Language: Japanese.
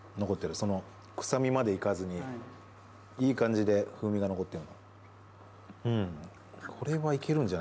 その臭みまでいかずにいい感じで風味も残ってる。